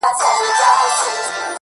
زما ځوانمرگ وماته وايي